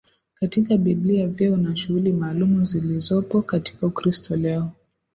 katika Biblia Vyeo na shughuli maalumu zilizopo katika Ukristo leo